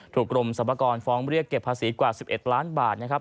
กรมสรรพากรฟ้องเรียกเก็บภาษีกว่า๑๑ล้านบาทนะครับ